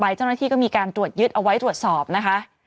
เจ้าหน้าที่ก็มีการตรวจยึดเอาไว้ตรวจสอบนะคะ